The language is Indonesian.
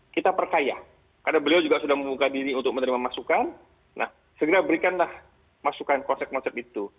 kita percaya karena beliau juga sudah membuka diri untuk menerima masukan nah segera berikanlah masukan konsep konsep itu